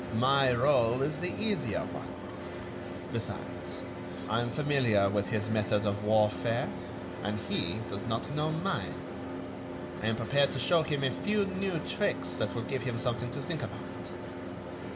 My rôle is the easier one. Besides, I am familiar with his method of warfare, and he does not know mine. I am prepared to show him a few new tricks that will give him something to think about."